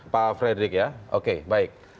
pak frederick ya oke baik